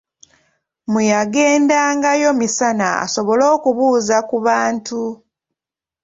Mu yagendangayo misana, asobole okubuuza ku bantu.